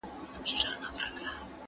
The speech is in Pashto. که حشره وي نو پښې نه پټیږي.